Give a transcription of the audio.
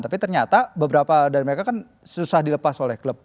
tapi ternyata beberapa dari mereka kan susah dilepas oleh klub